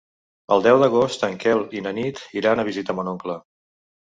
El deu d'agost en Quel i na Nit iran a visitar mon oncle.